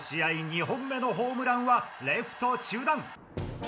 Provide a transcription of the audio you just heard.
２本目のホームランはレフト中段。